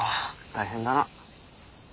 大変だな。